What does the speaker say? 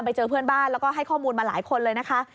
ไปเจอเพื่อนบ้านแล้วก็ให้ข้อมูลมาหลายคนเลยนะคะ